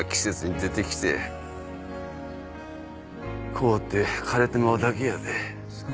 凍って枯れてまうだけやで。